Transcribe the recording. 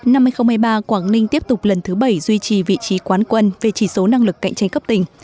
năm hai nghìn một mươi ba quảng ninh tiếp tục lần thứ bảy duy trì vị trí quán quân về chỉ số năng lực cạnh tranh cấp tỉnh